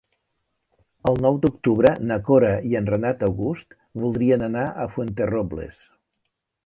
El nou d'octubre na Cora i en Renat August voldrien anar a Fuenterrobles.